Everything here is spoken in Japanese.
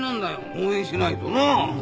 応援しないとなあ。